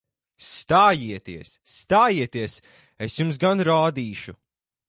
Stājieties! Stājieties! Es jums gan rādīšu!